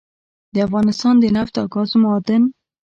دافغانستان دنفت او ګازو معادن